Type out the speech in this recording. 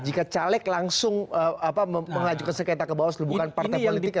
jika caleg langsung mengajukan sengketa ke bawaslu bukan partai politik sebagai situsnya